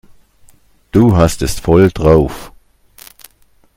Du hast es voll drauf.